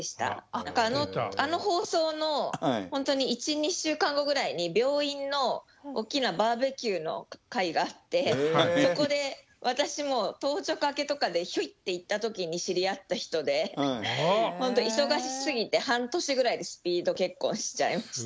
何かあの放送のほんとに１２週間後ぐらいに病院の大きなバーベキューの会があってそこで私も当直明けとかでひょいって行った時に知り合った人でほんと忙しすぎて半年ぐらいでスピード結婚しちゃいました。